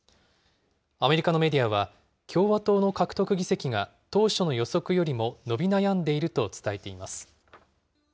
アメリカのメディアは、共和党の獲得議席が当初の予測よりも伸び悩んでいると伝えています。